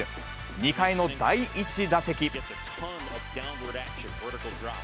２回の第１打席。